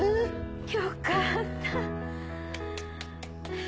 よかった。